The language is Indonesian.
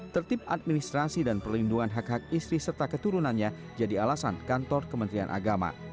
tertib administrasi dan perlindungan hak hak istri serta keturunannya jadi alasan kantor kementerian agama